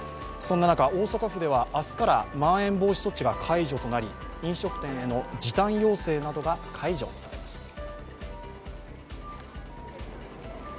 そんな中、大阪府では明日からまん延防止措置が解除となり飲食店への時短要請などが解除されます。